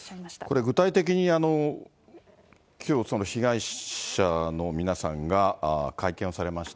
これ具体的に、きょう、被害者の皆さんが会見をされました。